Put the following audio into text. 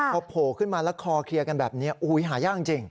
พอโผล่ขึ้นมาแล้วคอเคลียร์กันแบบนี้หายากจริง